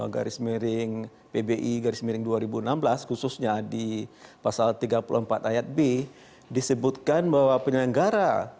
garis miring pbi garis miring dua ribu enam belas khususnya di pasal tiga puluh empat ayat b disebutkan bahwa penyelenggara